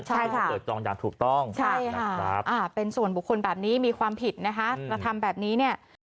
ใช่ค่ะใช่ค่ะเป็นส่วนบุคคลแบบนี้มีความผิดนะคะมาทำแบบนี้